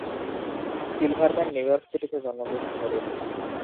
Silverman New York সিটিতে জন্মগ্রহণ করেন।